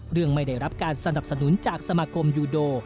ไม่ได้รับการสนับสนุนจากสมาคมยูโด